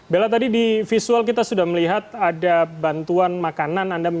bella tadi di visual kita sudah melihat ada bantuan makanan